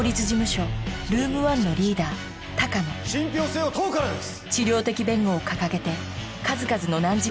信ぴょう性を問うからです！